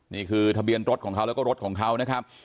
นี่คือทะเบียนรถของเขาแล้วก็รถของเขานะครับ